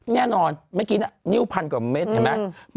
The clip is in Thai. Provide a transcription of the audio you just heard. แน่นอนเมื่อกี้นิ้วพันกว่าเม็ดเห็นไหม